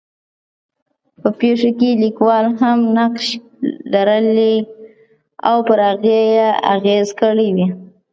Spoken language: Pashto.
په پېښو کې لیکوال هم نقش لرلی او پر هغې یې اغېز کړی وي.